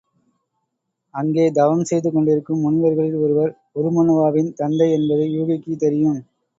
அங்கே தவம் செய்து கொண்டிருக்கும் முனிவர்களில் ஒருவர் உருமண்ணுவாவின் தந்தை என்பது யூகிக்குத் தெரியும்.